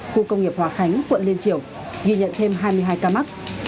khu công nghiệp hòa khánh quận liên triều ghi nhận thêm hai mươi hai ca mắc